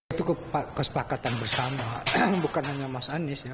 itu kesepakatan bersama bukan hanya mas anies ya